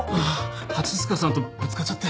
蜂須賀さんとぶつかっちゃって。